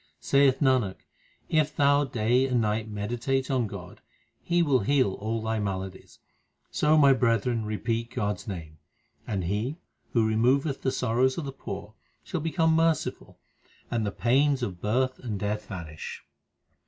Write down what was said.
Saith Nanak, if thou day and night meditate on God He will heal all thy maladies ; So, my brethren, repeat God s name. And He who removeth the sorrows of the poor, shall become merciful, and the pains of birth and death vanish.